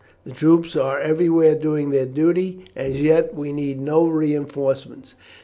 The troops are everywhere doing their duty. As yet we need no reinforcements.